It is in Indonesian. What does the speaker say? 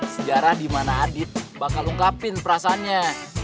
sejarah dimana adit bakal lengkapin perasaannya